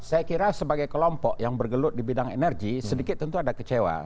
saya kira sebagai kelompok yang bergelut di bidang energi sedikit tentu ada kecewa